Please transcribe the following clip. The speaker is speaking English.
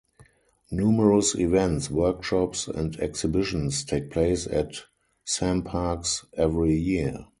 Numerous events, workshops and exhibitions take place at Samparks every year.